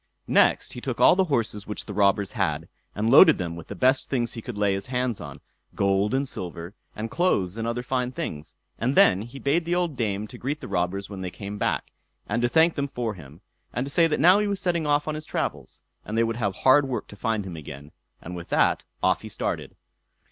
Next he took all the horses which the robbers had, and loaded them with the best things he could lay his hands on gold and silver, and clothes and other fine things; and then he bade the old dame to greet the robbers when they came back, and to thank them for him, and to say that now he was setting off on his travels, and they would have hard work to find him again; and with that, off he started.